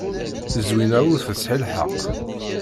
Zwina ur tesɛi lḥeqq.